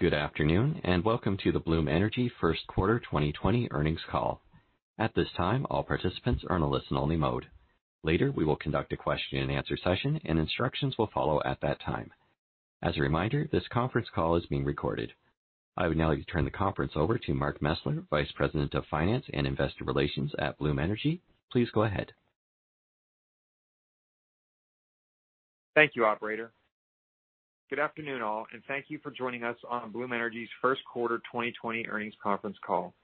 Good afternoon, and welcome to the Bloom Energy first quarter 2020 earnings call. At this time, all participants are on a listen only mode. Later, we will conduct a question and answer session, and instructions will follow at that time. As a reminder, this conference call is being recorded. I would now like to turn the conference over to Mark Mesler, Vice President of Finance and Investor Relations at Bloom Energy. Please go ahead. Thank you, operator. Good afternoon, all, and thank you for joining us on Bloom Energy's first quarter 2020 earnings conference call.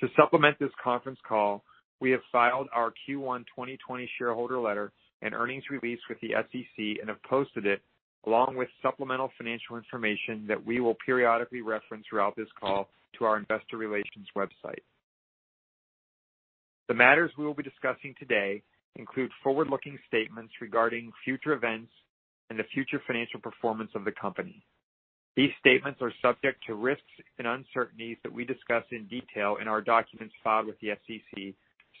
To supplement this conference call, we have filed our Q1 2020 shareholder letter and earnings release with the SEC and have posted it, along with supplemental financial information that we will periodically reference throughout this call, to our investor relations website. The matters we will be discussing today include forward-looking statements regarding future events and the future financial performance of the company. These statements are subject to risks and uncertainties that we discuss in detail in our documents filed with the SEC,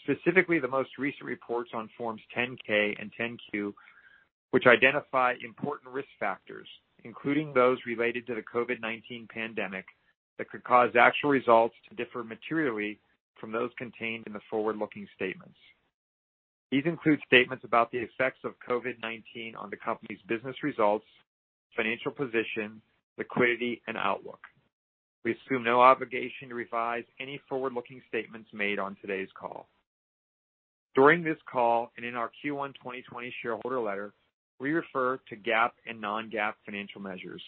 specifically the most recent reports on forms 10-K and 10-Q, which identify important risk factors, including those related to the COVID-19 pandemic that could cause actual results to differ materially from those contained in the forward-looking statements. These include statements about the effects of COVID-19 on the company's business results, financial position, liquidity, and outlook. We assume no obligation to revise any forward-looking statements made on today's call. During this call, and in our Q1 2020 shareholder letter, we refer to GAAP and non-GAAP financial measures.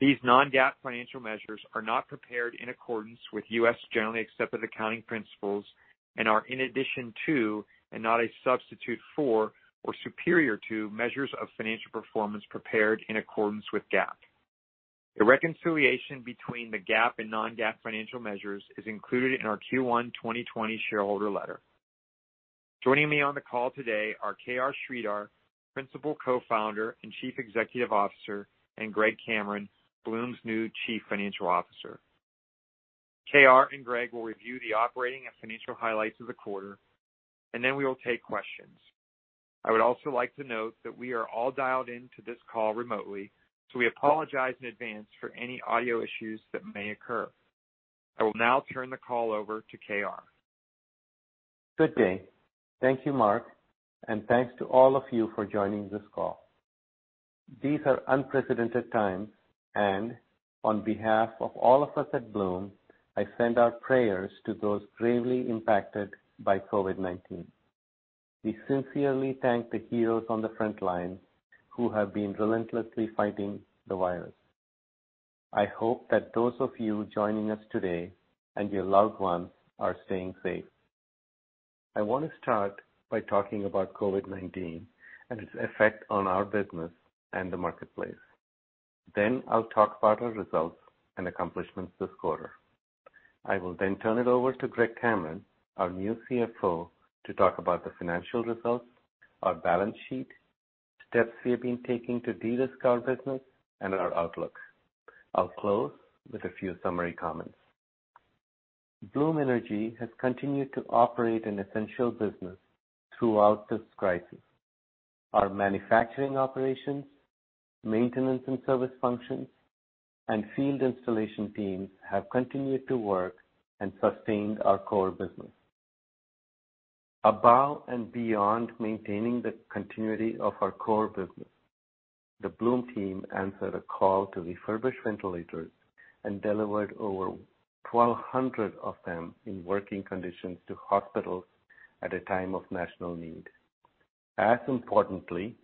These non-GAAP financial measures are not prepared in accordance with U.S. generally accepted accounting principles and are in addition to, and not a substitute for, or superior to, measures of financial performance prepared in accordance with GAAP. A reconciliation between the GAAP and non-GAAP financial measures is included in our Q1 2020 shareholder letter. Joining me on the call today are KR Sridhar, Principal Co-founder and Chief Executive Officer, and Greg Cameron, Bloom's new Chief Financial Officer. KR and Greg will review the operating and financial highlights of the quarter, and then we will take questions. I would also like to note that we are all dialed into this call remotely, so we apologize in advance for any audio issues that may occur. I will now turn the call over to KR. Good day. Thank you, Mark, and thanks to all of you for joining this call. These are unprecedented times, and on behalf of all of us at Bloom, I send our prayers to those gravely impacted by COVID-19. We sincerely thank the heroes on the frontline who have been relentlessly fighting the virus. I hope that those of you joining us today, and your loved ones, are staying safe. I want to start by talking about COVID-19 and its effect on our business and the marketplace. I'll talk about our results and accomplishments this quarter. I will then turn it over to Greg Cameron, our new CFO, to talk about the financial results, our balance sheet, steps we have been taking to de-risk our business, and our outlook. I'll close with a few summary comments. Bloom Energy has continued to operate an essential business throughout this crisis. Our manufacturing operations, maintenance and service functions, and field installation teams have continued to work and sustained our core business. Above and beyond maintaining the continuity of our core business, the Bloom team answered a call to refurbish ventilators and delivered over 1,200 of them in working conditions to hospitals at a time of national need. As importantly,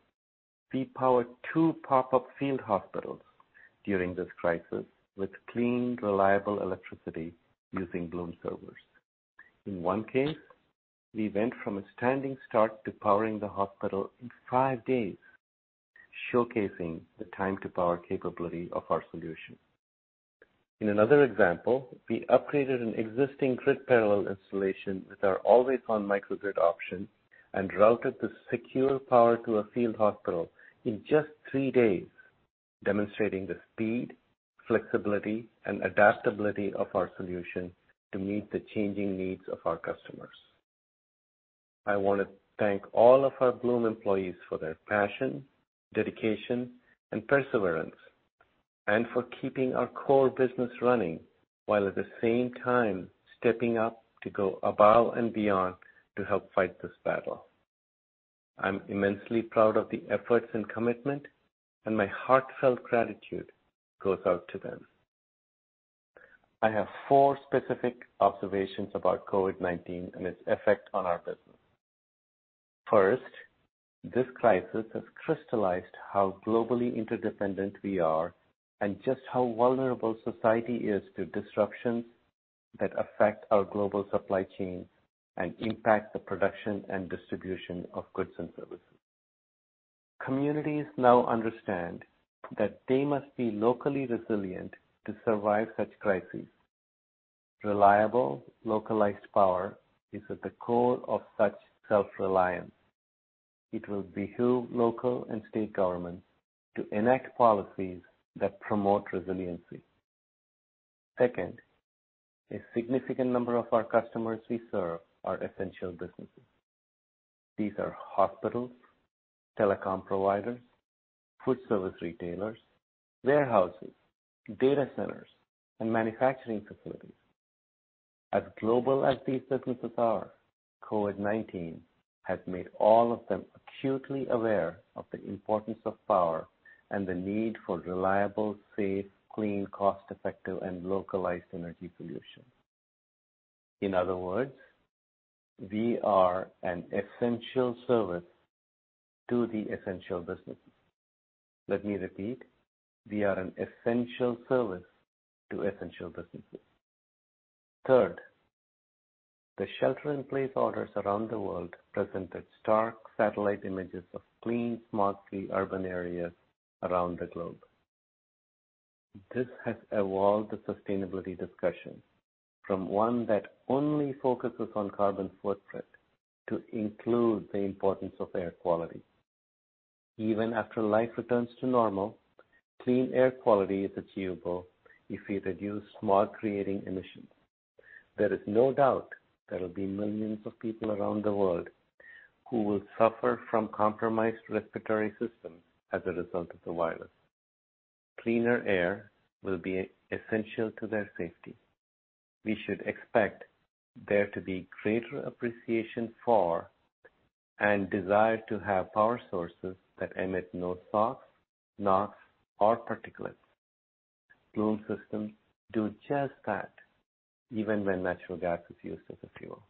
we powered two pop-up field hospitals during this crisis with clean, reliable electricity using Bloom servers. In one case, we went from a standing start to powering the hospital in five days, showcasing the time-to-power capability of our solution. In another example, we upgraded an existing grid parallel installation with our always-on microgrid option and routed the secure power to a field hospital in just three days, demonstrating the speed, flexibility, and adaptability of our solution to meet the changing needs of our customers. I want to thank all of our Bloom employees for their passion, dedication, and perseverance, and for keeping our core business running, while at the same time stepping up to go above and beyond to help fight this battle. I'm immensely proud of the efforts and commitment, and my heartfelt gratitude goes out to them. I have four specific observations about COVID-19 and its effect on our business. First, this crisis has crystallized how globally interdependent we are and just how vulnerable society is to disruptions that affect our global supply chain and impact the production and distribution of goods and services. Communities now understand that they must be locally resilient to survive such crises. Reliable, localized power is at the core of such self-reliance. It will behoove local and state governments to enact policies that promote resiliency. Second, a significant number of our customers we serve are essential businesses. These are hospitals, telecom providers, food service retailers, warehouses, data centers, and manufacturing facilities. As global as these businesses are, COVID-19 has made all of them acutely aware of the importance of power and the need for reliable, safe, clean, cost-effective, and localized energy solutions. In other words, we are an essential service to the essential businesses. Let me repeat. We are an essential service to essential businesses. Third, the shelter-in-place orders around the world presented stark satellite images of clean, smog-free urban areas around the globe. This has evolved the sustainability discussion from one that only focuses on carbon footprint to include the importance of air quality. Even after life returns to normal, clean air quality is achievable if we reduce smog-creating emissions. There is no doubt there will be millions of people around the world who will suffer from compromised respiratory systems as a result of the virus. Cleaner air will be essential to their safety. We should expect there to be greater appreciation for and desire to have power sources that emit no SOx, NOx, or particulates. Bloom systems do just that, even when natural gas is used as a fuel.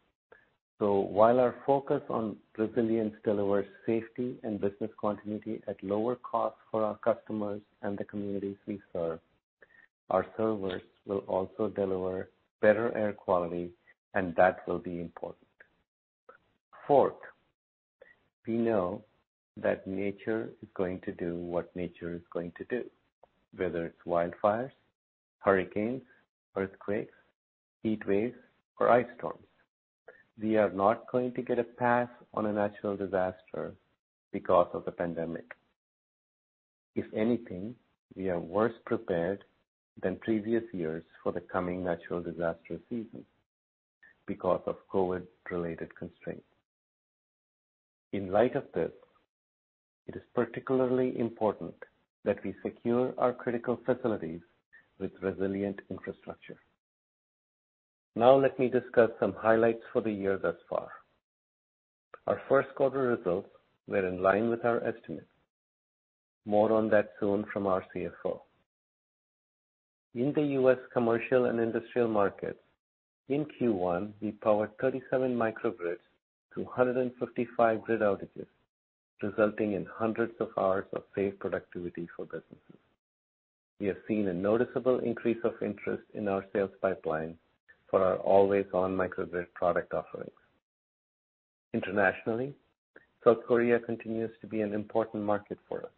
While our focus on resilience delivers safety and business continuity at lower costs for our customers and the communities we serve, our servers will also deliver better air quality, and that will be important. Fourth, we know that nature is going to do what nature is going to do, whether it's wildfires, hurricanes, earthquakes, heatwaves, or ice storms. We are not going to get a pass on a natural disaster because of the pandemic. If anything, we are worse prepared than previous years for the coming natural disaster season because of COVID-related constraints. In light of this, it is particularly important that we secure our critical facilities with resilient infrastructure. Let me discuss some highlights for the year thus far. Our first quarter results were in line with our estimates. More on that soon from our CFO. In the U.S. commercial and industrial markets, in Q1, we powered 37 microgrids through 155 grid outages, resulting in hundreds of hours of saved productivity for businesses. We have seen a noticeable increase of interest in our sales pipeline for our always-on microgrid product offerings. Internationally, South Korea continues to be an important market for us.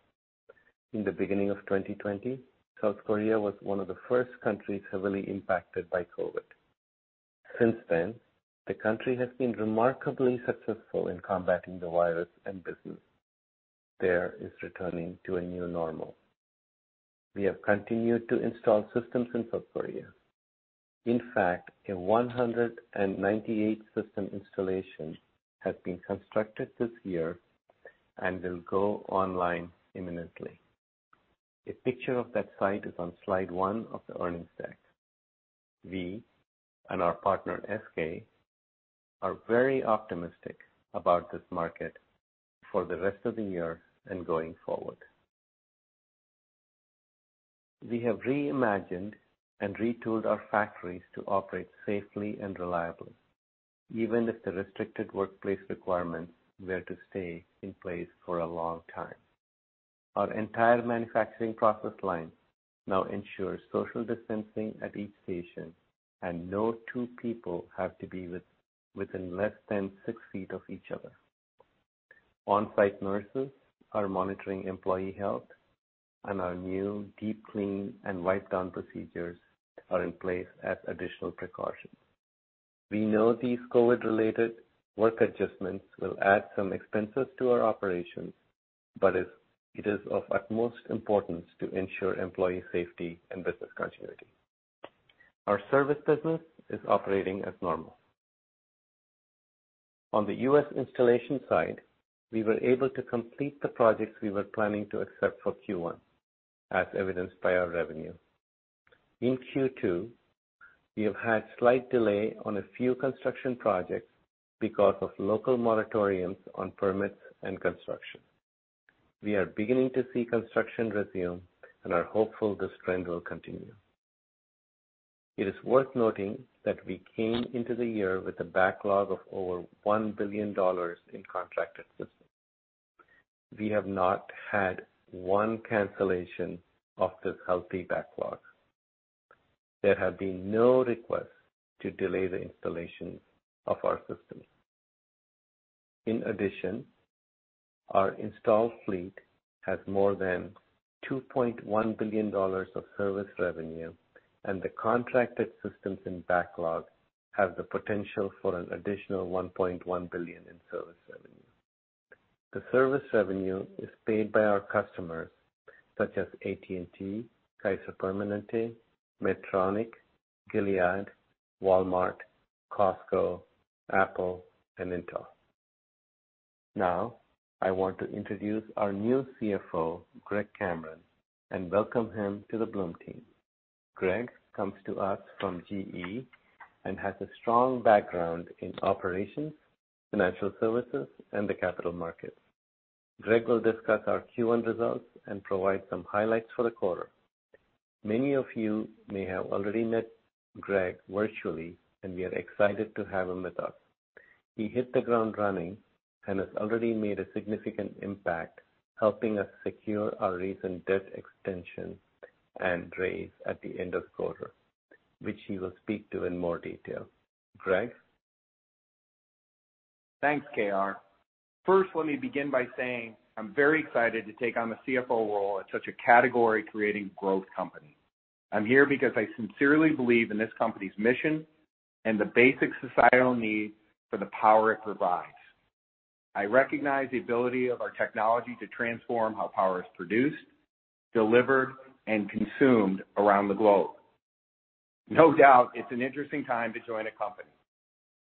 In the beginning of 2020, South Korea was one of the first countries heavily impacted by COVID. Since then, the country has been remarkably successful in combating the virus, business there is returning to a new normal. We have continued to install systems in South Korea. In fact, a 198-system installation has been constructed this year and will go online imminently. A picture of that site is on slide one of the earnings deck. We and our partner, SK, are very optimistic about this market for the rest of the year and going forward. We have reimagined and retooled our factories to operate safely and reliably, even if the restricted workplace requirements were to stay in place for a long time. Our entire manufacturing process line now ensures social distancing at each station, and no two people have to be within less than six feet of each other. On-site nurses are monitoring employee health, and our new deep clean and wipe-down procedures are in place as additional precautions. We know these COVID-related work adjustments will add some expenses to our operations, but it is of utmost importance to ensure employee safety and business continuity. Our service business is operating as normal. On the U.S. installation side, we were able to complete the projects we were planning to, except for Q1, as evidenced by our revenue. In Q2, we have had slight delay on a few construction projects because of local moratoriums on permits and construction. We are beginning to see construction resume and are hopeful this trend will continue. It is worth noting that we came into the year with a backlog of over $1 billion in contracted systems. We have not had one cancellation of this healthy backlog. There have been no requests to delay the installation of our systems. In addition, our installed fleet has more than $2.1 billion of service revenue, and the contracted systems in backlog have the potential for an additional $1.1 billion in service revenue. The service revenue is paid by our customers, such as AT&T, Kaiser Permanente, Medtronic, Gilead, Walmart, Costco, Apple, and Intel. I want to introduce our new CFO, Greg Cameron, and welcome him to the Bloom team. Greg comes to us from GE and has a strong background in operations, financial services, and the capital markets. Greg will discuss our Q1 results and provide some highlights for the quarter. Many of you may have already met Greg virtually, and we are excited to have him with us. He hit the ground running and has already made a significant impact helping us secure our recent debt extension and raise at the end of quarter, which he will speak to in more detail. Greg? Thanks, KR. First, let me begin by saying I'm very excited to take on the CFO role at such a category-creating growth company. I'm here because I sincerely believe in this company's mission and the basic societal need for the power it provides. I recognize the ability of our technology to transform how power is produced, delivered, and consumed around the globe. No doubt, it's an interesting time to join a company,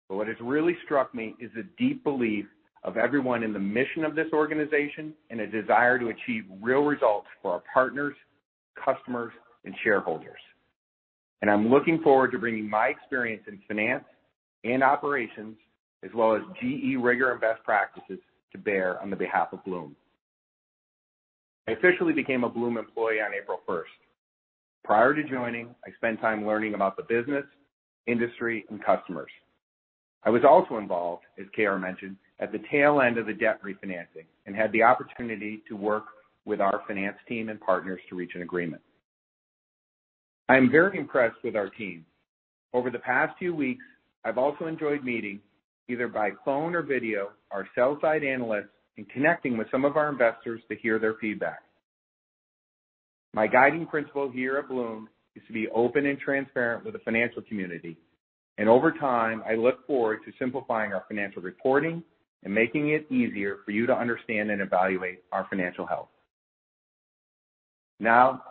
but what has really struck me is the deep belief of everyone in the mission of this organization and a desire to achieve real results for our partners, customers, and shareholders. I'm looking forward to bringing my experience in finance and operations, as well as GE rigor and best practices to bear on the behalf of Bloom. I officially became a Bloom employee on April 1st. Prior to joining, I spent time learning about the business, industry, and customers. I was also involved, as KR mentioned, at the tail end of the debt refinancing and had the opportunity to work with our finance team and partners to reach an agreement. I am very impressed with our team. Over the past few weeks, I've also enjoyed meeting, either by phone or video, our sell-side analysts and connecting with some of our investors to hear their feedback. My guiding principle here at Bloom is to be open and transparent with the financial community, and over time, I look forward to simplifying our financial reporting and making it easier for you to understand and evaluate our financial health.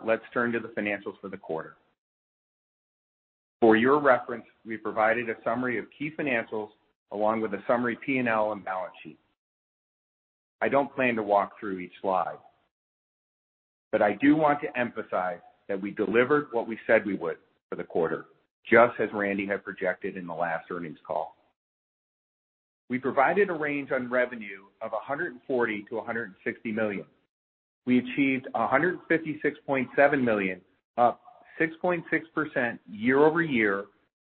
Let's turn to the financials for the quarter. For your reference, we provided a summary of key financials along with a summary P&L and balance sheet. I don't plan to walk through each slide, but I do want to emphasize that we delivered what we said we would for the quarter, just as Randy had projected in the last earnings call. We provided a range on revenue of $140 million-$160 million. We achieved $156.7 million, up 6.6% year-over-year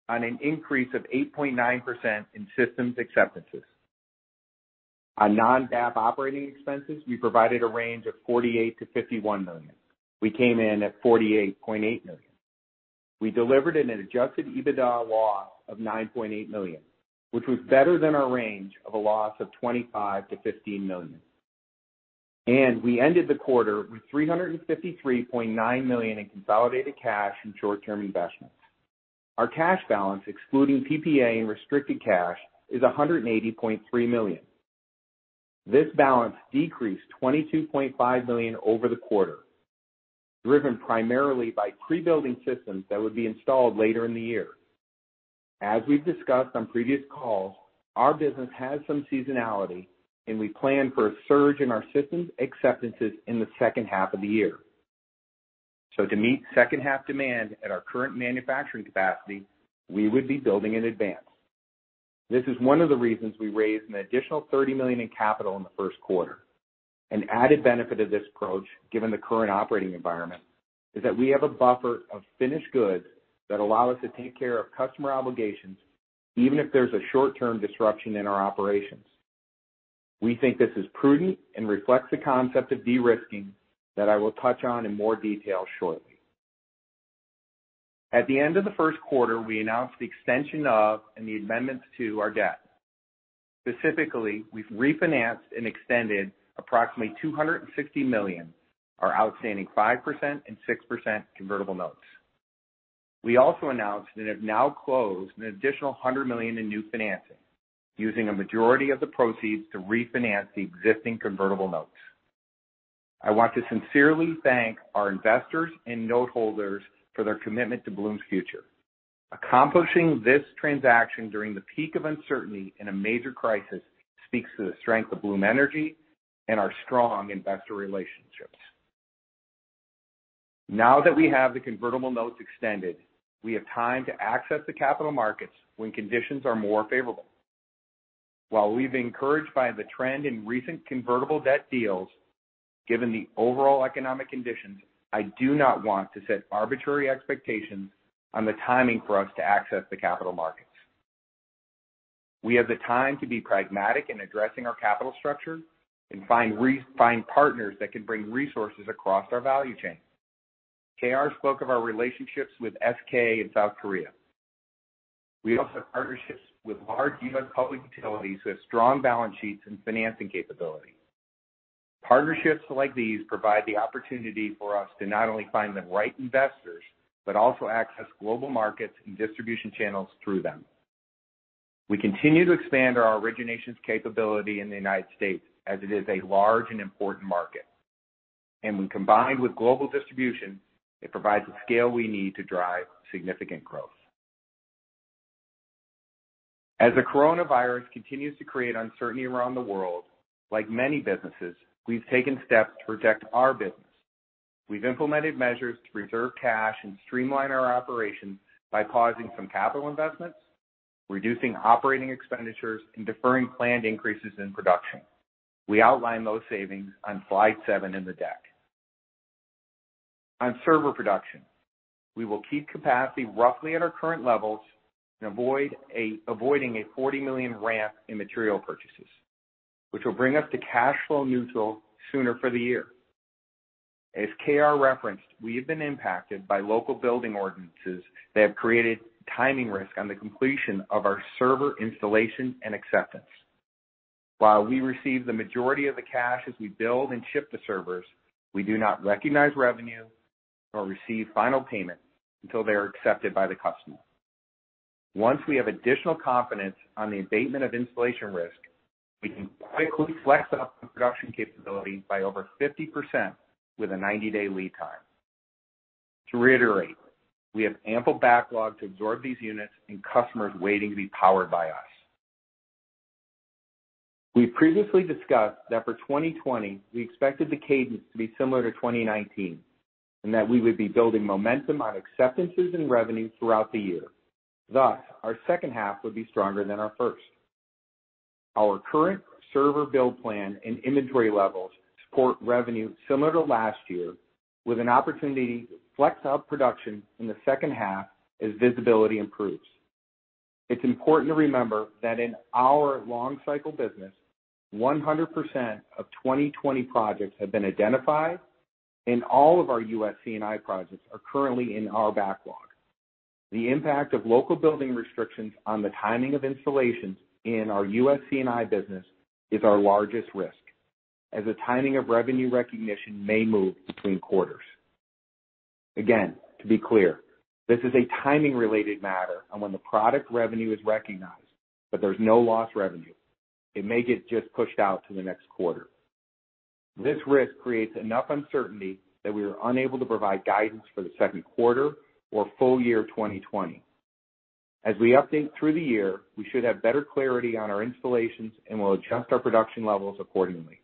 on an increase of 8.9% in systems acceptances. On non-GAAP operating expenses, we provided a range of $48 million-$51 million. We came in at $48.8 million. We delivered an adjusted EBITDA loss of $9.8 million, which was better than our range of a loss of $25 million-$15 million. We ended the quarter with $353.9 million in consolidated cash and short-term investments. Our cash balance, excluding PPA and restricted cash, is $180.3 million. This balance decreased $22.5 million over the quarter, driven primarily by pre-building systems that would be installed later in the year. We've discussed on previous calls, our business has some seasonality, and we plan for a surge in our systems acceptances in the second half of the year. To meet second half demand at our current manufacturing capacity, we would be building in advance. This is one of the reasons we raised an additional $30 million in capital in the first quarter. An added benefit of this approach, given the current operating environment, is that we have a buffer of finished goods that allow us to take care of customer obligations, even if there's a short-term disruption in our operations. We think this is prudent and reflects the concept of de-risking that I will touch on in more detail shortly. At the end of the first quarter, we announced the extension of and the amendments to our debt. Specifically, we've refinanced and extended approximately $260 million, our outstanding 5% and 6% convertible notes. We also announced and have now closed an additional $100 million in new financing, using a majority of the proceeds to refinance the existing convertible notes. I want to sincerely thank our investors and note holders for their commitment to Bloom's future. Accomplishing this transaction during the peak of uncertainty in a major crisis speaks to the strength of Bloom Energy and our strong investor relationships. Now that we have the convertible notes extended, we have time to access the capital markets when conditions are more favorable. While we've been encouraged by the trend in recent convertible debt deals, given the overall economic conditions, I do not want to set arbitrary expectations on the timing for us to access the capital markets. We have the time to be pragmatic in addressing our capital structure and find partners that can bring resources across our value chain. KR spoke of our relationships with SK in South Korea. We also have partnerships with large U.S. public utilities who have strong balance sheets and financing capability. Partnerships like these provide the opportunity for us to not only find the right investors, but also access global markets and distribution channels through them. We continue to expand our originations capability in the United States, as it is a large and important market, and when combined with global distribution, it provides the scale we need to drive significant growth. As the coronavirus continues to create uncertainty around the world, like many businesses, we've taken steps to protect our business. We've implemented measures to preserve cash and streamline our operations by pausing some capital investments, reducing operating expenditures, and deferring planned increases in production. We outline those savings on slide seven in the deck. On server production, we will keep capacity roughly at our current levels and avoiding a $40 million ramp in material purchases, which will bring us to cash flow neutral sooner for the year. As KR referenced, we have been impacted by local building ordinances that have created timing risk on the completion of our server installation and acceptance. While we receive the majority of the cash as we build and ship the servers, we do not recognize revenue or receive final payment until they are accepted by the customer. Once we have additional confidence on the abatement of installation risk, we can quickly flex up the production capability by over 50% with a 90-day lead time. To reiterate, we have ample backlog to absorb these units and customers waiting to be powered by us. We previously discussed that for 2020, we expected the cadence to be similar to 2019, and that we would be building momentum on acceptances and revenue throughout the year, thus, our second half would be stronger than our first. Our current server build plan and inventory levels support revenue similar to last year with an opportunity to flex up production in the second half as visibility improves. It's important to remember that in our long cycle business, 100% of 2020 projects have been identified and all of our U.S. C&I projects are currently in our backlog. The impact of local building restrictions on the timing of installations in our U.S. C&I business is our largest risk, as the timing of revenue recognition may move between quarters. Again, to be clear, this is a timing-related matter on when the product revenue is recognized, but there's no lost revenue. It may get just pushed out to the next quarter. This risk creates enough uncertainty that we are unable to provide guidance for the second quarter or full year 2020. As we update through the year, we should have better clarity on our installations, and we'll adjust our production levels accordingly.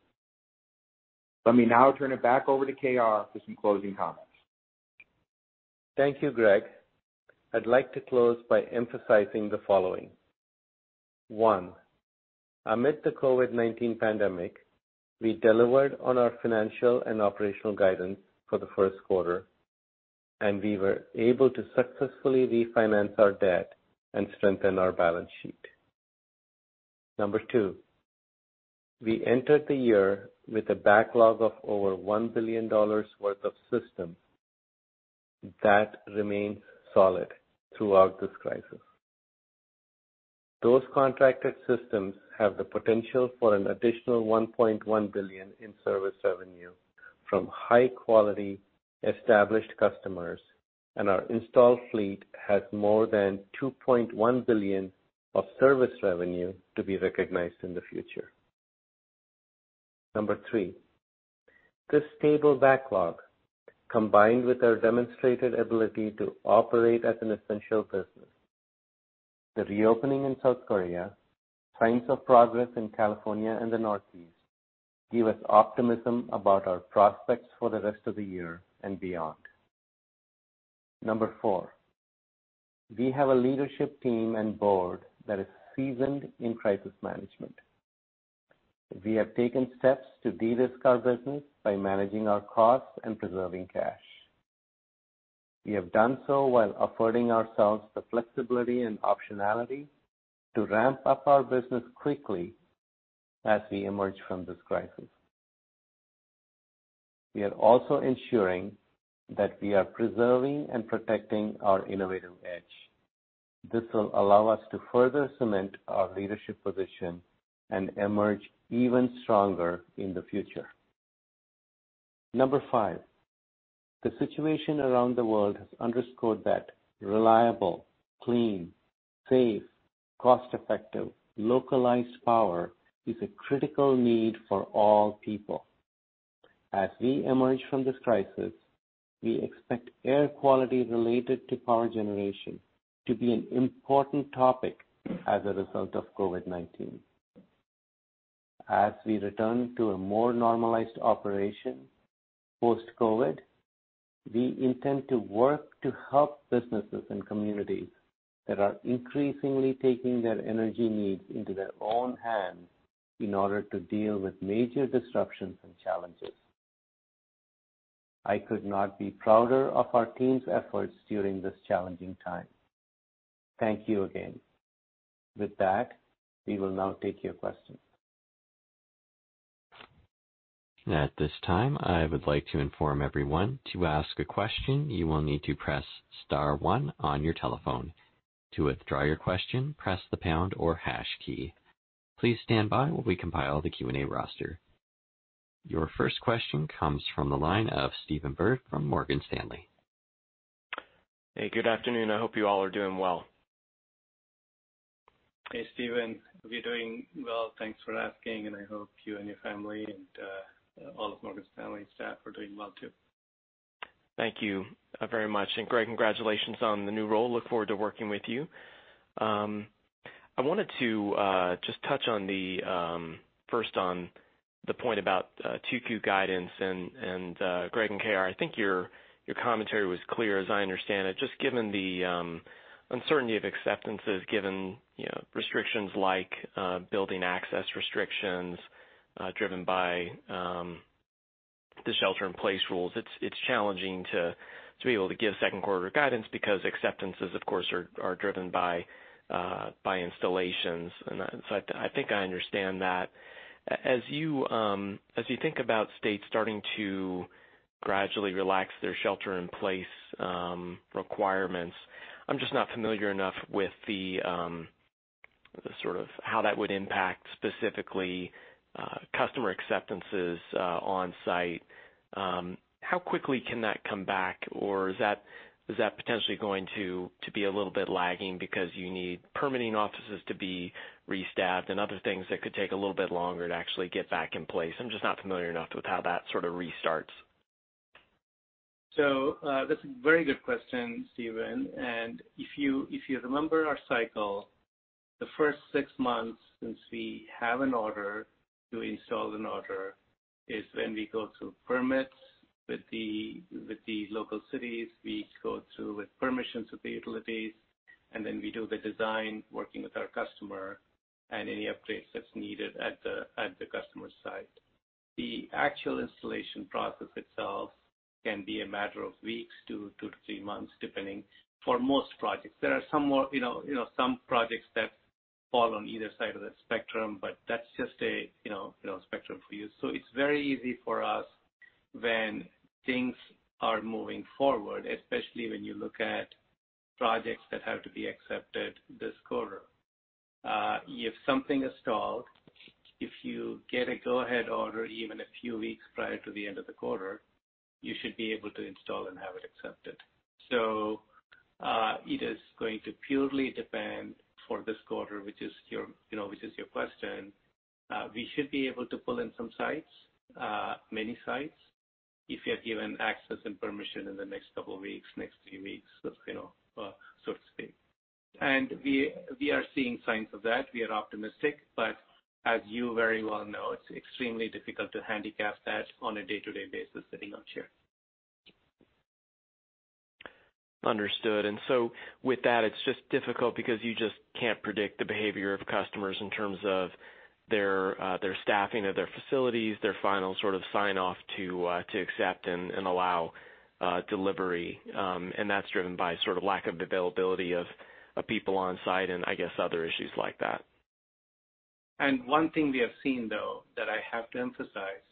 Let me now turn it back over to KR for some closing comments. Thank you, Greg. I'd like to close by emphasizing the following. One, amid the COVID-19 pandemic, we delivered on our financial and operational guidance for the first quarter, and we were able to successfully refinance our debt and strengthen our balance sheet. Number two, we entered the year with a backlog of over $1 billion worth of systems. That remains solid throughout this crisis. Those contracted systems have the potential for an additional $1.1 billion in service revenue from high-quality, established customers, and our installed fleet has more than $2.1 billion of service revenue to be recognized in the future. Number three, this stable backlog, combined with our demonstrated ability to operate as an essential business, the reopening in South Korea, signs of progress in California and the Northeast, give us optimism about our prospects for the rest of the year and beyond. Number four, we have a leadership team and board that is seasoned in crisis management. We have taken steps to de-risk our business by managing our costs and preserving cash. We have done so while affording ourselves the flexibility and optionality to ramp up our business quickly as we emerge from this crisis. We are also ensuring that we are preserving and protecting our innovative edge. This will allow us to further cement our leadership position and emerge even stronger in the future. Number five, the situation around the world has underscored that reliable, clean, safe, cost-effective, localized power is a critical need for all people. As we emerge from this crisis, we expect air quality related to power generation to be an important topic as a result of COVID-19. As we return to a more normalized operation post-COVID, we intend to work to help businesses and communities that are increasingly taking their energy needs into their own hands in order to deal with major disruptions and challenges. I could not be prouder of our team's efforts during this challenging time. Thank you again. With that, we will now take your questions. At this time, I would like to inform everyone to ask a question, you will need to press star one on your telephone. To withdraw your question, press the pound or hash key. Please stand by while we compile the Q&A roster. Your first question comes from the line of Stephen Byrd from Morgan Stanley. Hey, good afternoon. I hope you all are doing well. Hey, Stephen. We're doing well. Thanks for asking, and I hope you and your family and all of Morgan Stanley staff are doing well too. Thank you very much. Greg, congratulations on the new role. Look forward to working with you. I wanted to just touch first on the point about 2Q guidance and, Greg and KR, I think your commentary was clear, as I understand it. Just given the uncertainty of acceptances, given restrictions like building access restrictions driven by the shelter-in-place rules, it's challenging to be able to give second quarter guidance because acceptances, of course, are driven by installations. I think I understand that. As you think about states starting to gradually relax their shelter-in-place requirements, I'm just not familiar enough with how that would impact, specifically, customer acceptances on-site. How quickly can that come back, or is that potentially going to be a little bit lagging because you need permitting offices to be re-staffed and other things that could take a little bit longer to actually get back in place? I'm just not familiar enough with how that sort of restarts. That's a very good question, Stephen. If you remember our cycle, the first six months since we have an order to install an order is when we go through permits with the local cities. We go through with permissions with the utilities, and then we do the design, working with our customer and any upgrades that's needed at the customer site. The actual installation process itself can be a matter of weeks to two to three months, depending for most projects. There are some projects that fall on either side of the spectrum, but that's just a spectrum for you. It's very easy for us when things are moving forward, especially when you look at projects that have to be accepted this quarter. If something is stalled, if you get a go-ahead order even a few weeks prior to the end of the quarter, you should be able to install and have it accepted. It is going to purely depend for this quarter, which is your question. We should be able to pull in some sites, many sites, if we are given access and permission in the next couple weeks, next few weeks, so to speak. We are seeing signs of that. We are optimistic, but as you very well know, it's extremely difficult to handicap that on a day-to-day basis sitting on a chair. Understood. With that, it's just difficult because you just can't predict the behavior of customers in terms of their staffing of their facilities, their final sort of sign-off to accept and allow delivery. That's driven by sort of lack of availability of people on site and I guess other issues like that. One thing we have seen, though, that I have to emphasize,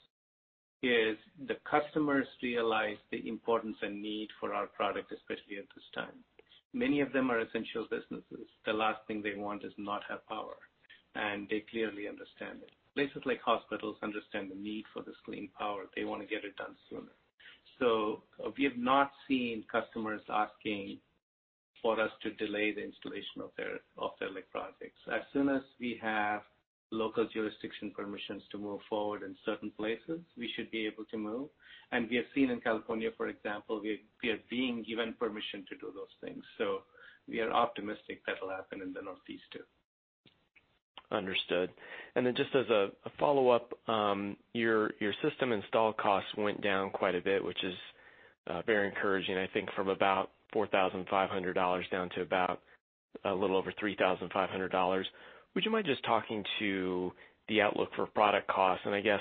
is the customers realize the importance and need for our product, especially at this time. Many of them are essential businesses. The last thing they want is not have power. They clearly understand it. Places like hospitals understand the need for this clean power. They want to get it done sooner. We have not seen customers asking for us to delay the installation of their projects. As soon as we have local jurisdiction permissions to move forward in certain places, we should be able to move. We have seen in California, for example, we are being given permission to do those things. We are optimistic that'll happen in the Northeast, too. Understood. Just as a follow-up, your system install costs went down quite a bit, which is very encouraging. I think from about $4,500 down to about a little over $3,500. Would you mind just talking to the outlook for product costs? I guess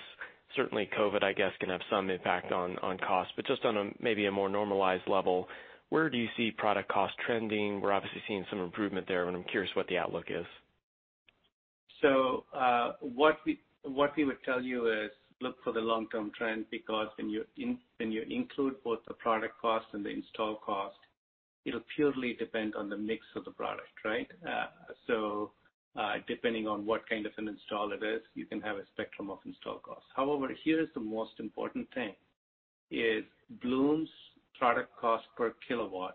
certainly COVID, I guess, can have some impact on cost, but just on a maybe a more normalized level, where do you see product cost trending? We're obviously seeing some improvement there, and I'm curious what the outlook is. What we would tell you is look for the long-term trend, because when you include both the product cost and the install cost, it'll purely depend on the mix of the product, right? Depending on what kind of an install it is, you can have a spectrum of install costs. However, here is the most important thing, is Bloom's product cost per kW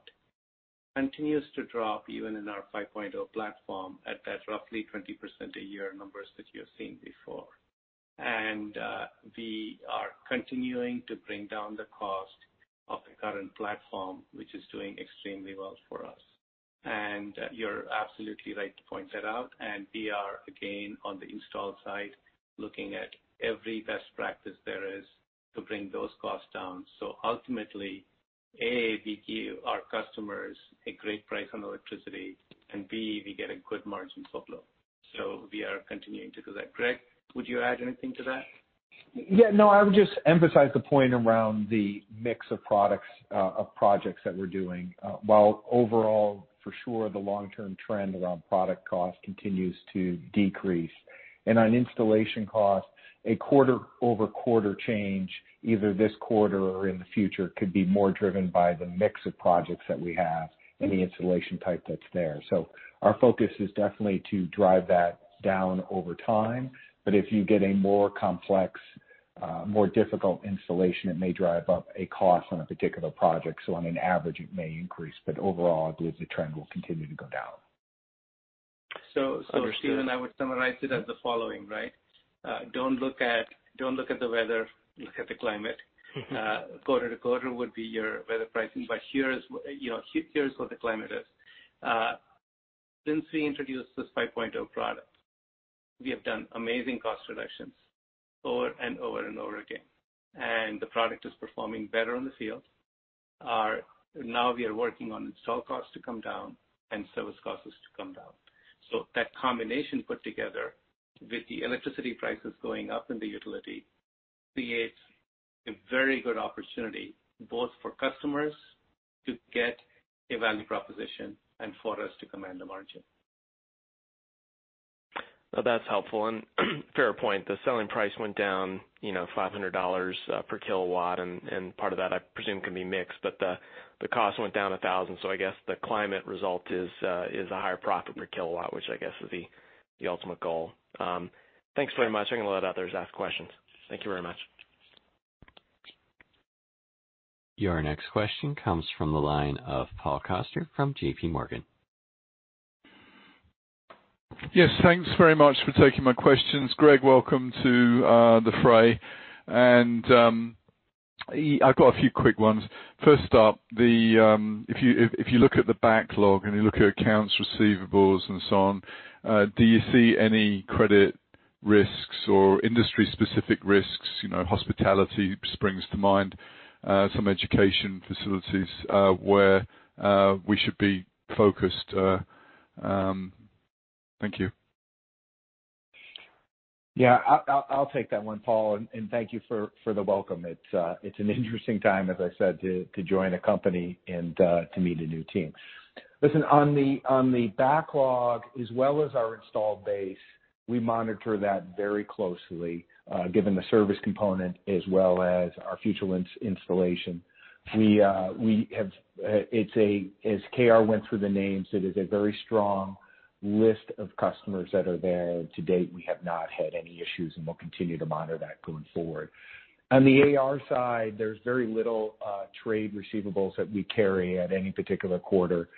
continues to drop even in our 5.0 platform at that roughly 20% a year numbers that you have seen before. We are continuing to bring down the cost of the current platform, which is doing extremely well for us. You're absolutely right to point that out, and we are, again, on the install side, looking at every best practice there is to bring those costs down. Ultimately, A, we give our customers a great price on electricity, and B, we get a good margin outflow. We are continuing to do that. Greg, would you add anything to that? Yeah, no, I would just emphasize the point around the mix of products of projects that we're doing. While overall, for sure, the long-term trend around product cost continues to decrease. On installation costs, a quarter-over-quarter change, either this quarter or in the future, could be more driven by the mix of projects that we have and the installation type that's there. Our focus is definitely to drive that down over time, but if you get a more complex, more difficult installation, it may drive up a cost on a particular project. On an average, it may increase, but overall, I believe the trend will continue to go down. Stephen, I would summarize it as the following. Don't look at the weather, look at the climate. Quarter to quarter would be your weather pricing, but here's what the climate is. Since we introduced this 5.0 product, we have done amazing cost reductions over and over and over again, and the product is performing better in the field. We are working on install costs to come down and service costs to come down. That combination put together with the electricity prices going up in the utility creates a very good opportunity, both for customers to get a value proposition and for us to command a margin. That's helpful and fair point. The selling price went down $500 per kW, and part of that, I presume, can be mixed, but the cost went down $1,000, so I guess the climate result is a higher profit per kW, which I guess is the ultimate goal. Thanks very much. I'm going to let others ask questions. Thank you very much. Your next question comes from the line of Paul Coster from JPMorgan. Yes, thanks very much for taking my questions. Greg, welcome to the fray. I've got a few quick ones. First up, if you look at the backlog and you look at accounts receivables and so on, do you see any credit risks or industry-specific risks? Hospitality springs to mind, some education facilities, where we should be focused. Thank you. Yeah, I'll take that one, Paul, and thank you for the welcome. It's an interesting time, as I said, to join a company and to meet a new team. Listen, on the backlog as well as our installed base, we monitor that very closely, given the service component as well as our future installation. As KR went through the names, it is a very strong list of customers that are there. To date, we have not had any issues, and we'll continue to monitor that going forward. On the AR side, there's very little trade receivables that we carry at any particular quarter.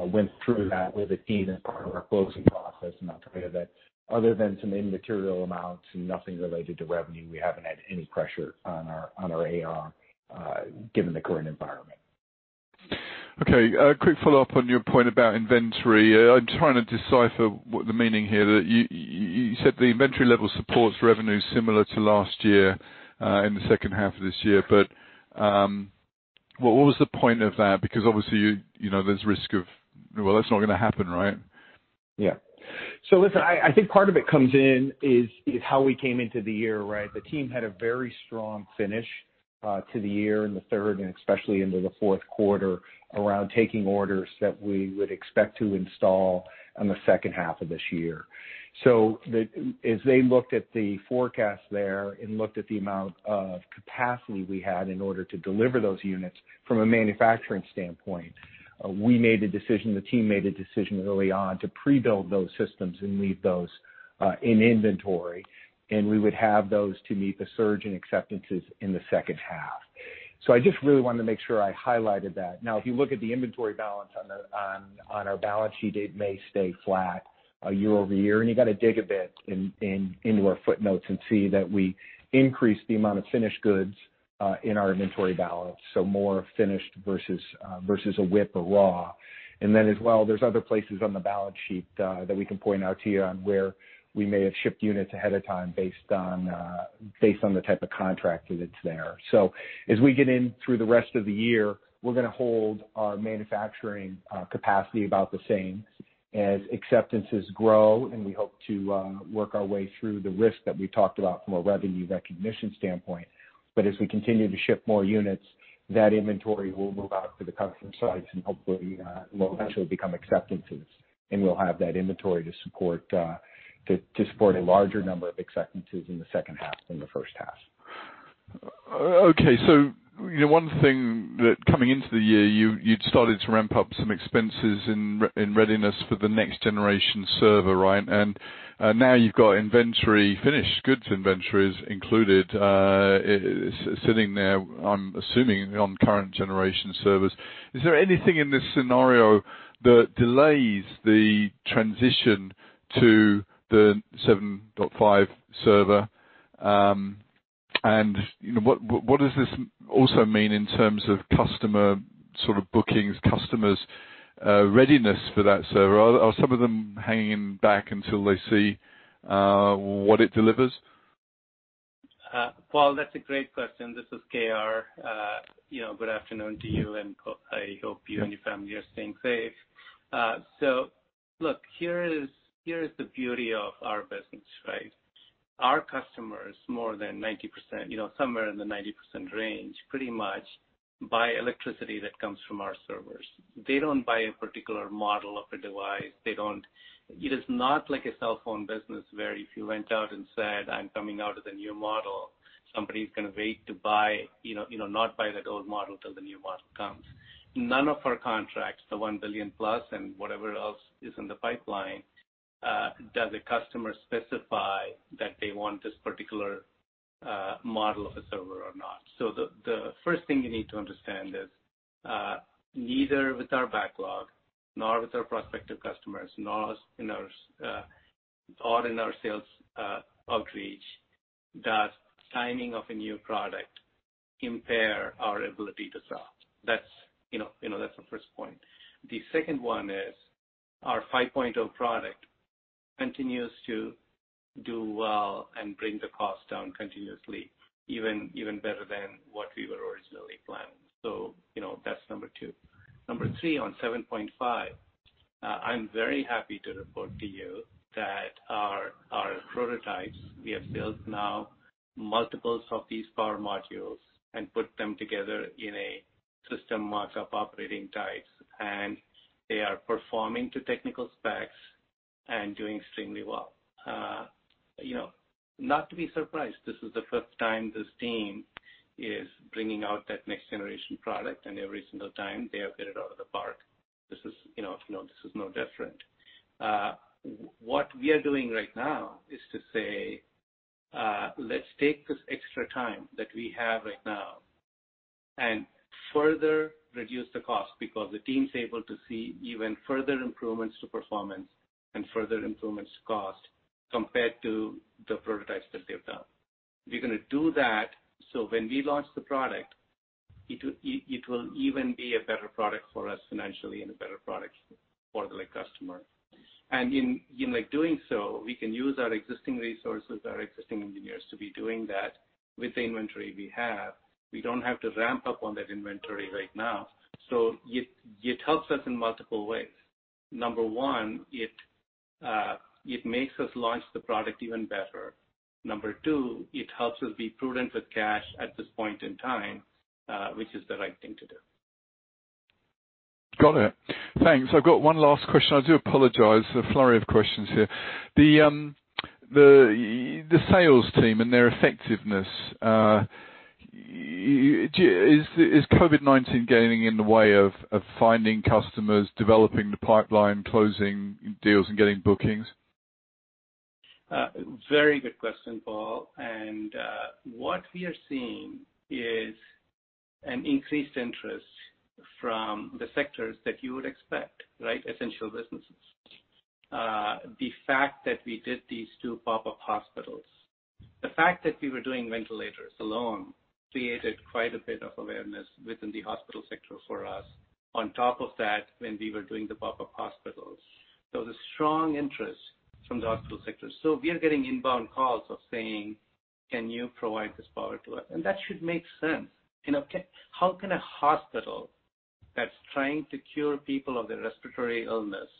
We went through that with the team as part of our closing process, and I can tell you that other than some immaterial amounts, nothing related to revenue, we haven't had any pressure on our AR, given the current environment. Okay. A quick follow-up on your point about inventory. I'm trying to decipher the meaning here, that you said the inventory level supports revenue similar to last year in the second half of this year. What was the point of that? Obviously, there's risk of Well, that's not going to happen, right? Yeah. Listen, I think part of it comes in is how we came into the year. The team had a very strong finish to the year in the third and especially into the fourth quarter around taking orders that we would expect to install in the second half of this year. As they looked at the forecast there and looked at the amount of capacity we had in order to deliver those units from a manufacturing standpoint, we made a decision, the team made a decision early on to pre-build those systems and leave those in inventory, and we would have those to meet the surge in acceptances in the second half. I just really wanted to make sure I highlighted that. If you look at the inventory balance on our balance sheet, it may stay flat year-over-year, and you got to dig a bit into our footnotes and see that we increased the amount of finished goods in our inventory balance, so more finished versus a WIP, a raw. As well, there's other places on the balance sheet that we can point out to you on where we may have shipped units ahead of time based on the type of contract that's there. As we get in through the rest of the year, we're going to hold our manufacturing capacity about the same. As acceptances grow and we hope to work our way through the risk that we talked about from a revenue recognition standpoint. As we continue to ship more units, that inventory will move out to the customer sites and hopefully will eventually become acceptances, and we'll have that inventory to support a larger number of acceptances in the second half than the first half. Okay. One thing that coming into the year, you'd started to ramp up some expenses in readiness for the next generation server. Now you've got inventory, finished goods inventories included, sitting there, I'm assuming, on current generation servers. Is there anything in this scenario that delays the transition to the 7.5 Server? What does this also mean in terms of customer bookings, customers' readiness for that server? Are some of them hanging back until they see what it delivers? Paul, that's a great question. This is KR. Good afternoon to you, and I hope you and your family are staying safe. Look, here is the beauty of our business. Our customers, more than 90%, somewhere in the 90% range, pretty much buy electricity that comes from our servers. They don't buy a particular model of a device. It is not like a cell phone business where if you went out and said, "I'm coming out with a new model," somebody's going to wait to buy, not buy that old model till the new model comes. None of our contracts, the $1 billion+ and whatever else is in the pipeline, does a customer specify that they want this particular model of a server or not. The first thing you need to understand is neither with our backlog nor with our prospective customers, nor in our sales outreach, does timing of a new product impair our ability to sell. That's the first point. The second one is our 5.0 product continues to do well and bring the cost down continuously, even better than what we were originally planning. That's number two. Number three, on 7.5, I'm very happy to report to you that our prototypes, we have built now multiples of these power modules and put them together in a system mock-up operating types, and they are performing to technical specs and doing extremely well. Not to be surprised, this is the first time this team is bringing out that next-generation product, and every single time, they have hit it out of the park. This is no different. What we are doing right now is to say, let's take this extra time that we have right now and further reduce the cost because the team's able to see even further improvements to performance and further improvements to cost compared to the prototypes that they've done. We're going to do that, so when we launch the product, it will even be a better product for us financially and a better product for the customer. In doing so, we can use our existing resources, our existing engineers to be doing that with the inventory we have. We don't have to ramp up on that inventory right now. It helps us in multiple ways. Number one, it makes us launch the product even better. Number two, it helps us be prudent with cash at this point in time, which is the right thing to do. Got it. Thanks. I've got one last question. I do apologize, the flurry of questions here. The sales team and their effectiveness, is COVID-19 getting in the way of finding customers, developing the pipeline, closing deals, and getting bookings? Very good question, Paul. What we are seeing is an increased interest from the sectors that you would expect, right? Essential businesses. The fact that we did these two pop-up hospitals, the fact that we were doing ventilators alone created quite a bit of awareness within the hospital sector for us on top of that, when we were doing the pop-up hospitals. There's strong interest from the hospital sector. We are getting inbound calls of saying, "Can you provide this power to us?" That should make sense. How can a hospital that's trying to cure people of their respiratory illness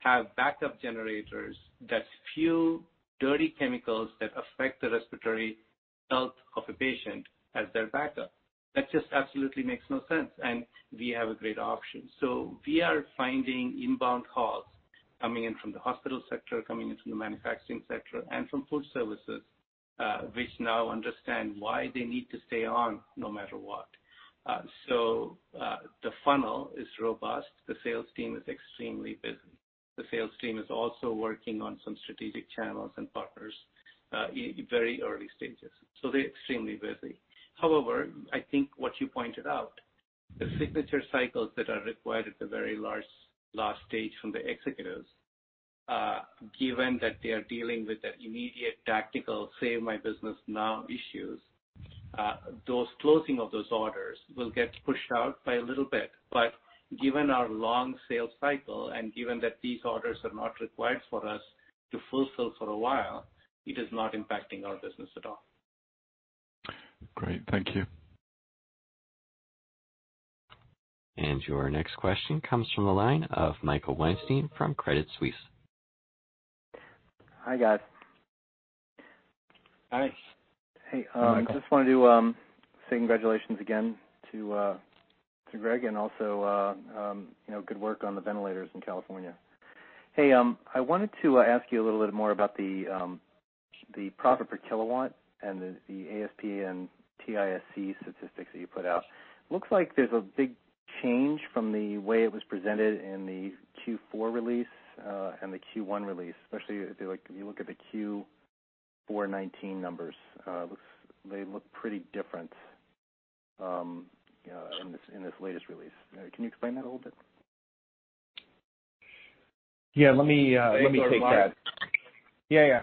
have backup generators that fuel dirty chemicals that affect the respiratory health of a patient as their backup? That just absolutely makes no sense. We have a great option. We are finding inbound calls coming in from the hospital sector, coming in from the manufacturing sector, and from food services, which now understand why they need to stay on no matter what. The funnel is robust. The sales team is extremely busy. The sales team is also working on some strategic channels and partners in very early stages. They're extremely busy. However, I think what you pointed out, the signature cycles that are required at the very last stage from the executives, given that they are dealing with that immediate tactical save my business now issues, those closing of those orders will get pushed out by a little bit. Given our long sales cycle and given that these orders are not required for us to fulfill for a while, it is not impacting our business at all. Great. Thank you. Your next question comes from the line of Michael Weinstein from Credit Suisse. Hi, guys. Hi. Hey. Just wanted to say congratulations again to Greg, and also good work on the ventilators in California. Hey, I wanted to ask you a little bit more about the profit per kW and the ASP and TISC statistics that you put out. Looks like there's a big change from the way it was presented in the Q4 release and the Q1 release, especially if you look at the Q4 2019 numbers. They look pretty different in this latest release. Can you explain that a little bit? Yeah, let me take that. Yeah.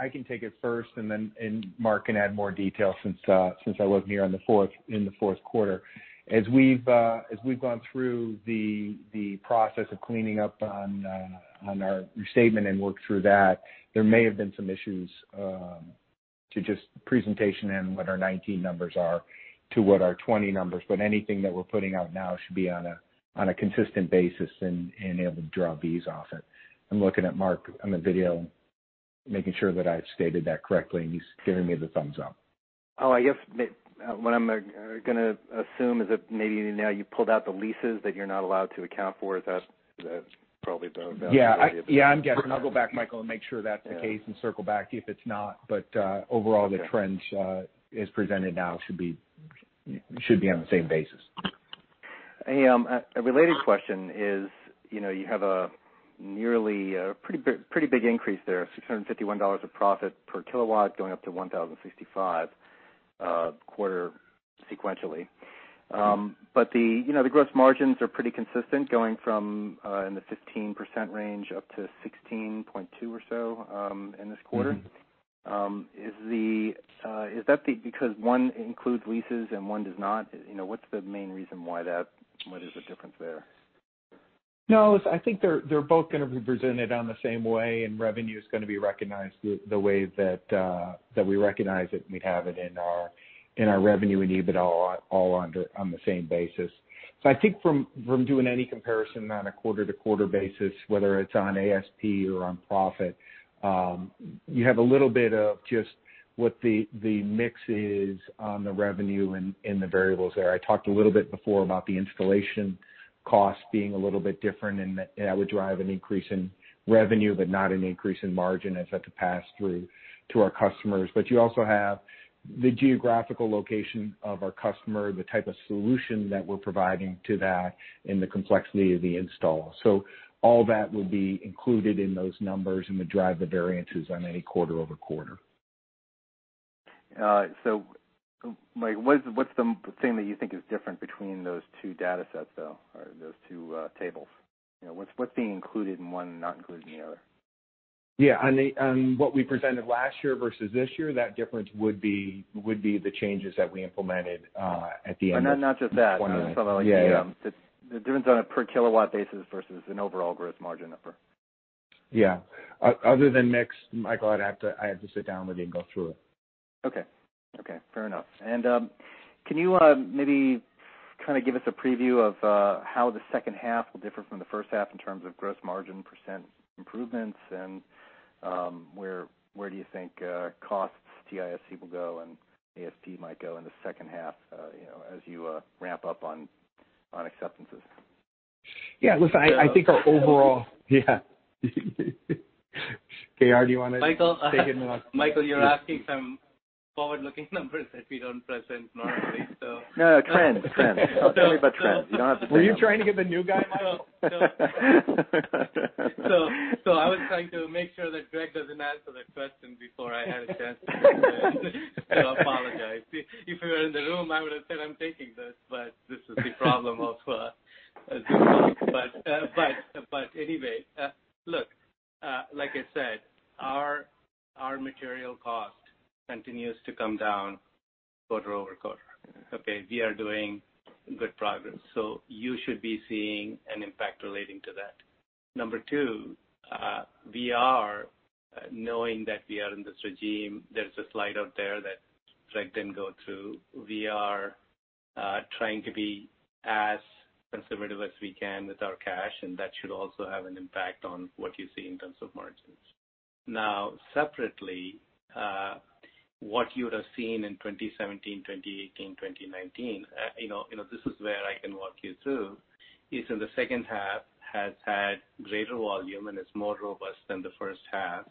I can take it first, and Mark can add more detail since I wasn't here in the fourth quarter. As we've gone through the process of cleaning up on our restatement and worked through that, there may have been some issues to just presentation and what our 2019 numbers are to what our 2020 numbers. Anything that we're putting out now should be on a consistent basis and able to draw these off it. I'm looking at Mark on the video, making sure that I've stated that correctly, and he's giving me the thumbs up. Oh, I guess what I'm going to assume is that maybe now you pulled out the leases that you're not allowed to account for. That's probably the value. Yeah. I'm guessing. I'll go back, Michael, and make sure that's the case, and circle back to you if it's not. Overall the trends as presented now should be on the same basis. Hey, a related question is, you have a pretty big increase there, $651 of profit per kW going up to $1,065 quarter-sequentially. The gross margins are pretty consistent, going from in the 15% range up to 16.2% or so in this quarter. Is that because one includes leases and one does not? What's the main reason why there's a difference there? No, I think they're both going to be presented on the same way. Revenue is going to be recognized the way that we recognize it, and we have it in our revenue and EBITDA all on the same basis. I think from doing any comparison on a quarter-to-quarter basis, whether it's on ASP or on profit, you have a little bit of just what the mix is on the revenue and the variables there. I talked a little bit before about the installation cost being a little bit different, and that would drive an increase in revenue, but not an increase in margin, as that's a pass-through to our customers. You also have the geographical location of our customer, the type of solution that we're providing to that, and the complexity of the install. All that will be included in those numbers, and would drive the variances on any quarter-over-quarter. What's the thing that you think is different between those two data sets, though, or those two tables? What's being included in one and not included in the other? Yeah. On what we presented last year versus this year, that difference would be the changes that we implemented at the end of- No, not just that. Yeah. The difference on a per kW basis versus an overall gross margin number. Yeah. Other than mix, Michael, I'd have to sit down with you and go through it. Okay. Fair enough. Can you maybe give us a preview of how the second half will differ from the first half in terms of gross margin percent improvements, and where do you think costs to ISC will go and ASP might go in the second half as you ramp up on acceptances? Yeah. Listen, I think our overall KR, do you want to- Michael. Take it away. Michael, you're asking some forward-looking numbers that we don't present normally. No, trends. Tell me about trends. You don't have to. Were you trying to get the new guy in trouble? I was trying to make sure that Greg doesn't answer that question before I had a chance to. Apologize. If you were in the room, I would've said I'm taking this, but this is the problem of Zoom. Anyway. Look, like I said, our material cost continues to come down quarter over quarter. Okay. We are doing good progress. You should be seeing an impact relating to that. Number two, knowing that we are in this regime, there's a slide out there that Greg didn't go through. We are trying to be as conservative as we can with our cash, and that should also have an impact on what you see in terms of margins. Separately, what you would've seen in 2017, 2018, 2019, this is where I can walk you through, is in the second half has had greater volume and is more robust than the first half.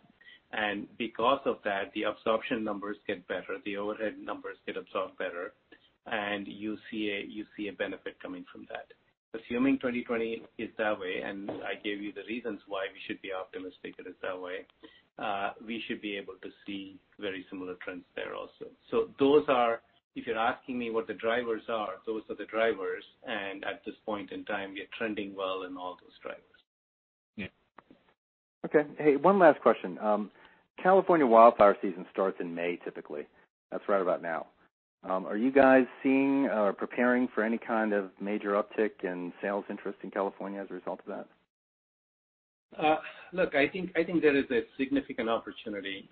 Because of that, the absorption numbers get better, the overhead numbers get absorbed better, and you see a benefit coming from that. Assuming 2020 is that way, and I gave you the reasons why we should be optimistic that it's that way, we should be able to see very similar trends there also. If you're asking me what the drivers are, those are the drivers, and at this point in time, we are trending well in all those drivers. Yeah. Okay. Hey, one last question. California wildfire season starts in May, typically. That's right about now. Are you guys seeing or preparing for any kind of major uptick in sales interest in California as a result of that? I think there is a significant opportunity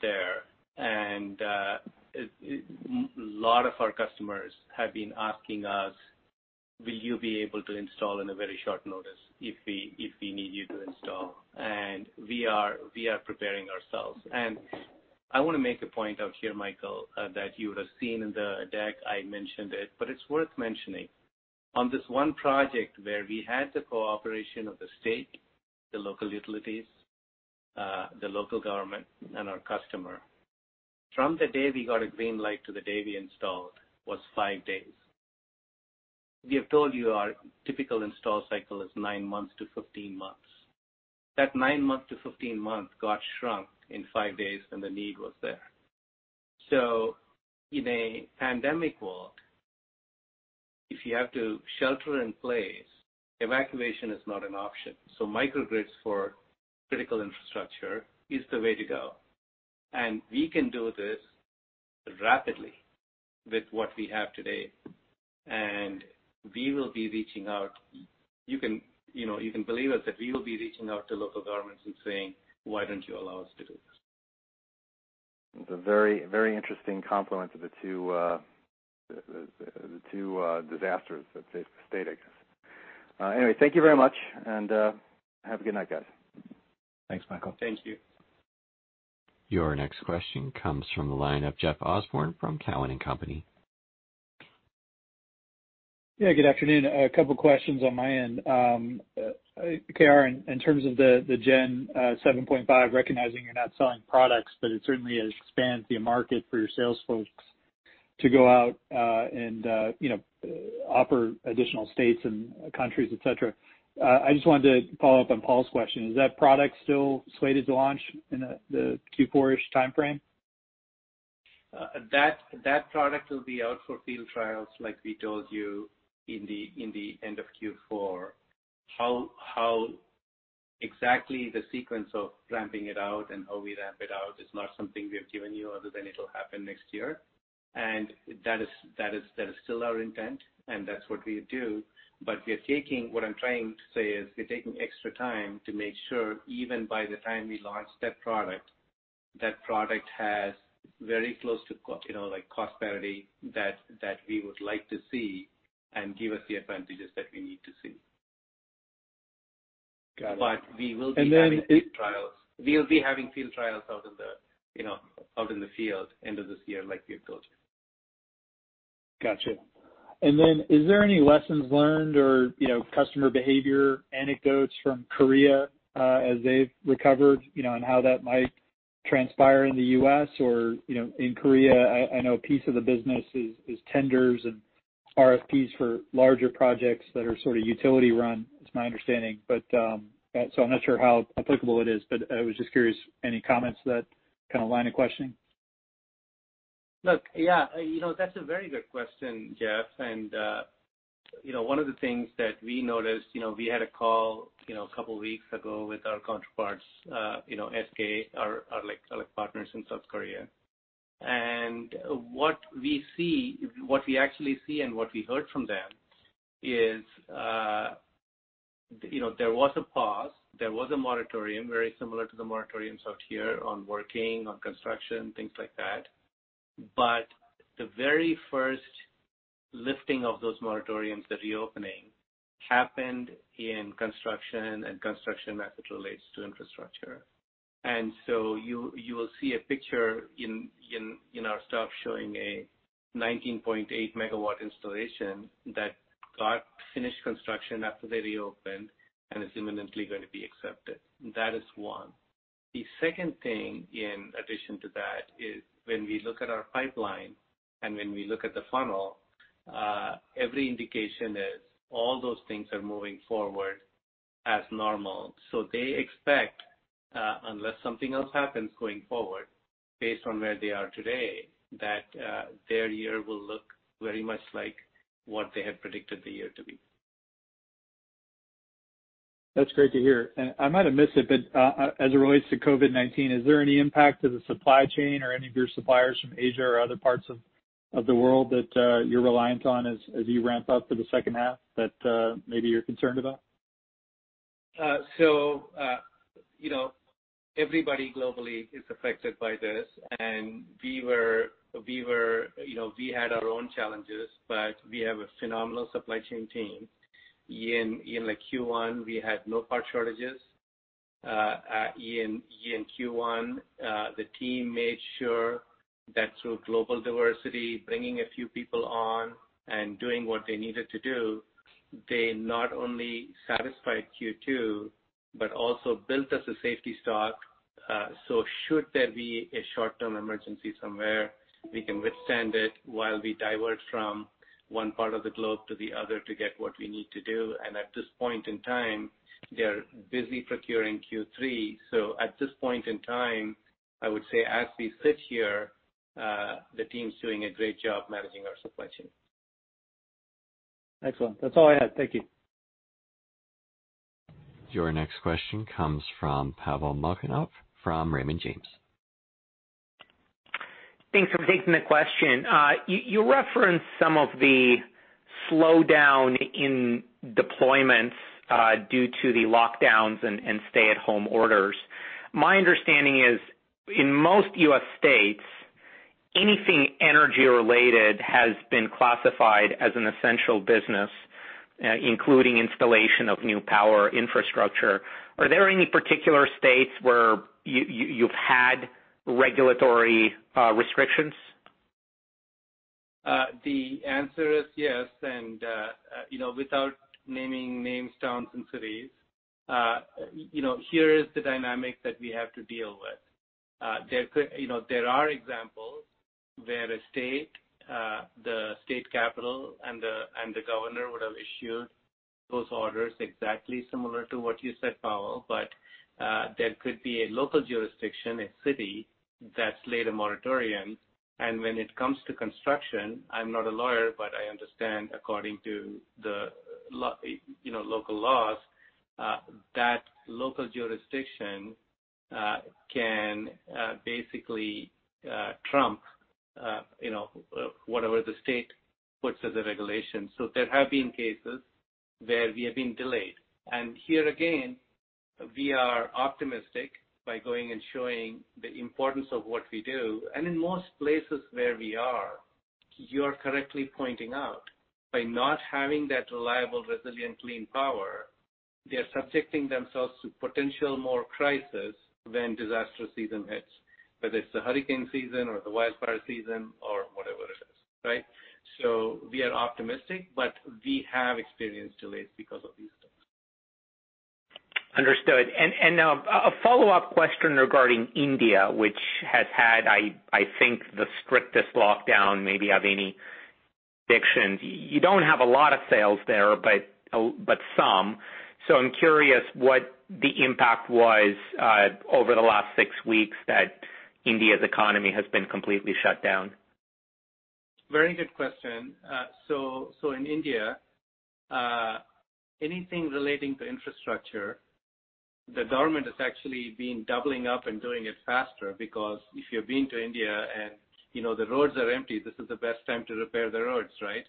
there. A lot of our customers have been asking us, "Will you be able to install in a very short notice if we need you to install?" We are preparing ourselves. I want to make a point out here, Michael, that you would've seen in the deck. I mentioned it. It's worth mentioning. On this one project where we had the cooperation of the state, the local utilities, the local government, and our customer, from the day we got a green light to the day we installed was five days. We have told you our typical install cycle is 9-15 months. That 9-15 months got shrunk in five days when the need was there. In a pandemic world, if you have to shelter in place, evacuation is not an option. Microgrids for critical infrastructure is the way to go. We can do this rapidly with what we have today. We will be reaching out. You can believe us that we will be reaching out to local governments and saying: Why don't you allow us to do this? It's a very interesting confluence of the two disasters, state, I guess. Anyway, thank you very much, and have a good night, guys. Thanks, Michael. Thank you. Your next question comes from the line of Jeff Osborne from Cowen and Company. Good afternoon. A couple questions on my end. KR, in terms of the Gen 7.5, recognizing you're not selling products, but it certainly expands the market for your sales folks to go out and offer additional states and countries, et cetera. I just wanted to follow up on Paul's question. Is that product still slated to launch in the Q4-ish timeframe? That product will be out for field trials, like we told you, in the end of Q4. How exactly the sequence of ramping it out and how we ramp it out is not something we have given you other than it'll happen next year. That is still our intent, and that's what we do. What I'm trying to say is we're taking extra time to make sure, even by the time we launch that product, that product has very close to cost parity that we would like to see and give us the advantages that we need to see. Got it. We will be having field trials out in the field end of this year, like we had told you. Got you. Is there any lessons learned or customer behavior anecdotes from Korea as they've recovered, and how that might transpire in the U.S. or in Korea? I know a piece of the business is tenders and RFPs for larger projects that are sort of utility-run. It's my understanding. I'm not sure how applicable it is, but I was just curious. Any comments to that kind of line of questioning? Look, yeah. That's a very good question, Jeff. One of the things that we noticed, we had a call a couple of weeks ago with our counterparts, SK, our partners in South Korea. What we actually see and what we heard from them is there was a pause, there was a moratorium, very similar to the moratoriums out here on working, on construction, things like that. The very first lifting of those moratoriums, the reopening, happened in construction and construction as it relates to infrastructure. You will see a picture in our stuff showing a 19.8 MW installation that got finished construction after they reopened and is imminently going to be accepted. That is one. The second thing in addition to that is when we look at our pipeline and when we look at the funnel, every indication is all those things are moving forward as normal. They expect, unless something else happens going forward, based on where they are today, that their year will look very much like what they had predicted the year to be. That's great to hear. I might have missed it, but as it relates to COVID-19, is there any impact to the supply chain or any of your suppliers from Asia or other parts of the world that you're reliant on as you ramp up for the second half that maybe you're concerned about? Everybody globally is affected by this, and we had our own challenges, but we have a phenomenal supply chain team. In Q1, we had no part shortages. In Q1, the team made sure that through global diversity, bringing a few people on and doing what they needed to do, they not only satisfied Q2 but also built us a safety stock. Should there be a short-term emergency somewhere, we can withstand it while we divert from one part of the globe to the other to get what we need to do. At this point in time, they are busy procuring Q3. At this point in time, I would say as we sit here, the team's doing a great job managing our supply chain. Excellent. That's all I had. Thank you. Your next question comes from Pavel Molchanov from Raymond James. Thanks for taking the question. You referenced some of the slowdown in deployments due to the lockdowns and stay-at-home orders. My understanding is, in most U.S. states, anything energy-related has been classified as an essential business, including installation of new power infrastructure. Are there any particular states where you've had regulatory restrictions? The answer is yes. Without naming names, towns, and cities, here is the dynamic that we have to deal with. There are examples where the state capital and the governor would have issued those orders exactly similar to what you said, Pavel. There could be a local jurisdiction, a city that's laid a moratorium. When it comes to construction, I'm not a lawyer, but I understand according to the local laws that local jurisdiction can basically trump whatever the state puts as a regulation. There have been cases where we have been delayed, and here again, we are optimistic by going and showing the importance of what we do. In most places where we are, you're correctly pointing out, by not having that reliable, resilient, clean power, they're subjecting themselves to potential more crisis when disaster season hits, whether it's the hurricane season or the wildfire season or whatever it is, right? We are optimistic, but we have experienced delays because of these things. Understood. Now a follow-up question regarding India, which has had, I think, the strictest lockdown maybe of any jurisdictions. You don't have a lot of sales there, but some, so I'm curious what the impact was over the last six weeks that India's economy has been completely shut down. Very good question. In India, anything relating to infrastructure, the government has actually been doubling up and doing it faster because if you've been to India and the roads are empty, this is the best time to repair the roads, right?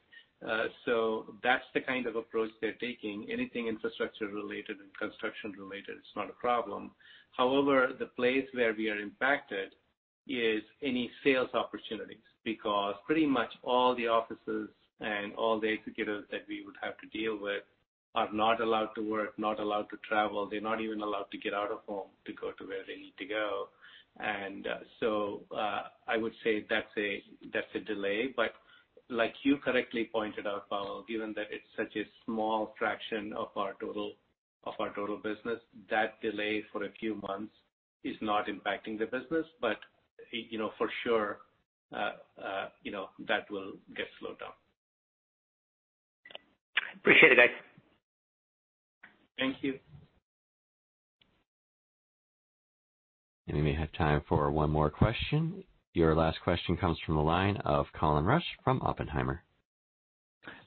That's the kind of approach they're taking. Anything infrastructure-related and construction-related, it's not a problem. However, the place where we are impacted is any sales opportunities, because pretty much all the offices and all the executives that we would have to deal with are not allowed to work, not allowed to travel. They're not even allowed to get out of home to go to where they need to go. I would say that's a delay, but like you correctly pointed out, Pavel, given that it's such a small fraction of our total business, that delay for a few months is not impacting the business. For sure, that will get slowed down. Appreciate it, guys. Thank you. We may have time for one more question. Your last question comes from the line of Colin Rusch from Oppenheimer.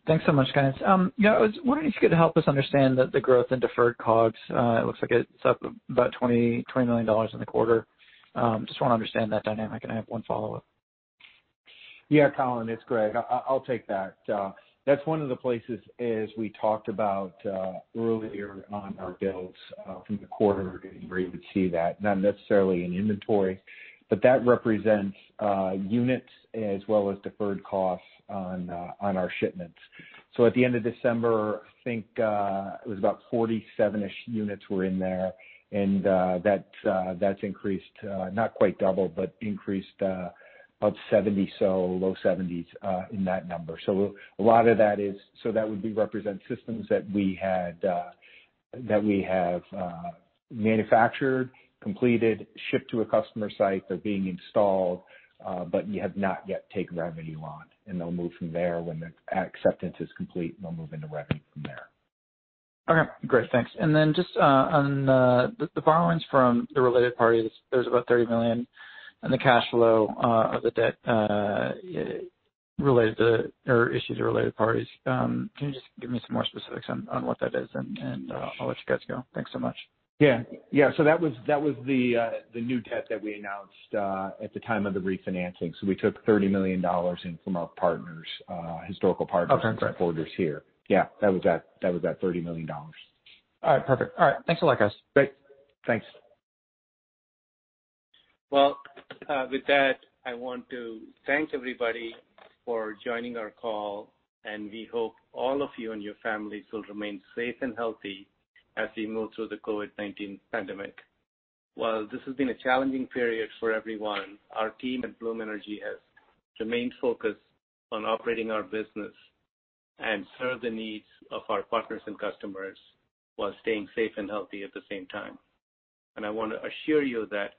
Thanks so much, guys. I was wondering if you could help us understand the growth in deferred COGS. It looks like it's up about $20 million in the quarter. I just want to understand that dynamic, and I have one follow-up. Colin, it's Greg. I'll take that. That's one of the places, as we talked about earlier on our builds from the quarter, where you would see that, not necessarily in inventory. That represents units as well as deferred costs on our shipments. At the end of December, I think it was about 47 units were in there, and that's increased, not quite double, but increased above 70, so low 70s in that number. That would represent systems that we have manufactured, completed, shipped to a customer site. They're being installed, but you have not yet taken revenue on, and they'll move from there when the acceptance is complete, and they'll move into revenue from there. Okay, great. Thanks. Then just on the borrowings from the related parties, there's about $30 million in the cash flow of the debt issues to related parties. Can you just give me some more specifics on what that is, and I'll let you guys go. Thanks so much. Yeah. That was the new debt that we announced at the time of the refinancing. We took $30 million in from our historical partners. Okay, great. Supporters here. Yeah, that was that $30 million. All right, perfect. All right, thanks a lot, guys. Great. Thanks. Well, with that, I want to thank everybody for joining our call, and we hope all of you and your families will remain safe and healthy as we move through the COVID-19 pandemic. While this has been a challenging period for everyone, our team at Bloom Energy has remained focused on operating our business and serve the needs of our partners and customers while staying safe and healthy at the same time. I want to assure you that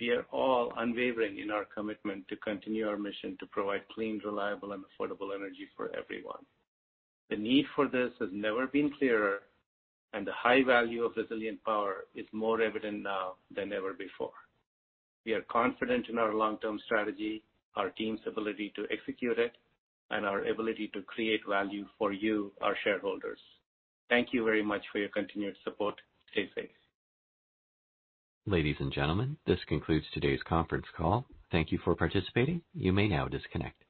we are all unwavering in our commitment to continue our mission to provide clean, reliable and affordable energy for everyone. The need for this has never been clearer, and the high value of resilient power is more evident now than ever before. We are confident in our long-term strategy, our team's ability to execute it, and our ability to create value for you, our shareholders. Thank you very much for your continued support. Stay safe. Ladies and gentlemen, this concludes today's conference call. Thank you for participating. You may now disconnect.